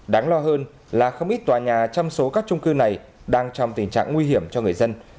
đáng lo hơn là không ít tòa nhà trong số các trung cư này đang trong tình trạng nguy hiểm cho người dân